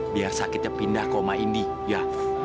biar sakitnya pindah ke oma ini ya